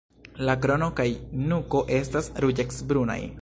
La krono kaj nuko estas ruĝecbrunaj.